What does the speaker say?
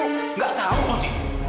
kamu jangan bohong odi